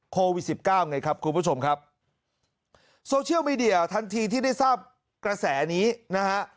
โควิดสิบเก้าไงครับคุณผู้ชมครับโซเชียลมีเดียทันทีที่ได้ทราบกระแสนี้นะฮะ